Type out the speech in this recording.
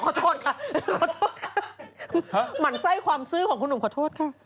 ขอโทษค่ะหมั่นไส้ความซื้อของคุณหนุ่มขอโทษค่ะ